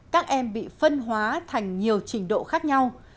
các em bị phân hóa thành nhiều trình độ khác nhau